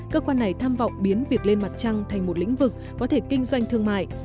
cơ quan này tham vọng biến việc lên mặt trăng thành một lĩnh vực có thể kinh doanh thương mại